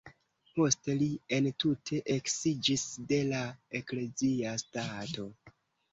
Poste li entute eksiĝis de la eklezia stato.